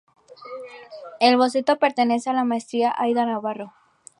El boceto pertenece a la Maestra Aída Navarro.